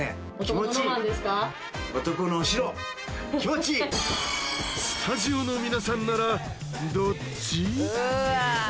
気持ちいいスタジオの皆さんならどっち？